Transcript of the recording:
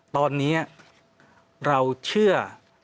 ตอนนี้เราเชื่อ